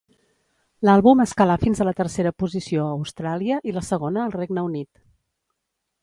L'àlbum escalà fins a la tercera posició a Austràlia i la segona al Regne Unit.